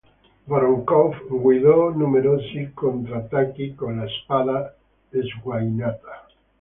Voroncov guidò numerosi contrattacchi, con la spada sguainata.